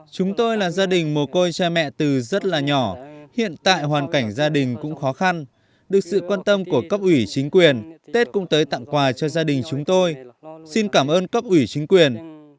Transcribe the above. chúng tôi là gia đình mồ côi cha mẹ từ rất là nhỏ hiện tại hoàn cảnh gia đình cũng khó khăn được sự quan tâm của cấp ủy chính quyền tết cũng tới tặng quà cho gia đình chúng tôi xin cảm ơn cấp ủy chính quyền